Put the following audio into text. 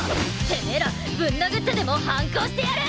てめえらぶん殴ってでも反抗してやる！！